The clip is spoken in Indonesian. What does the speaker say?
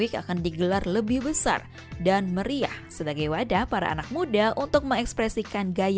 emang benar dapat uang lima ratus juta rupiah